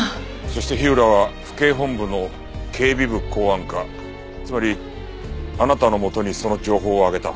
そして火浦は府警本部の警備部公安課つまりあなたのもとにその情報を上げた。